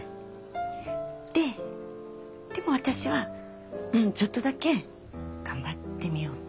でも私はちょっとだけ頑張ってみようかな。